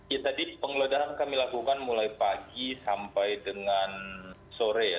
ya tadi penggeledahan kami lakukan mulai pagi sampai dengan sore ya